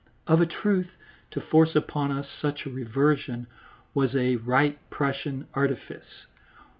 Of a truth, to force upon us such a reversion was a right Prussian artifice.